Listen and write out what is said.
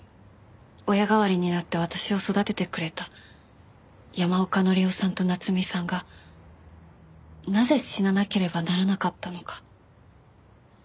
親代わりになって私を育ててくれた山岡紀夫さんと夏美さんがなぜ死ななければならなかったのか。